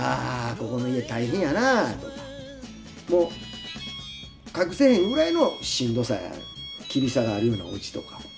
ここの家大変やなとかもう隠せへんぐらいのしんどさや厳しさがあるようなおうちとか。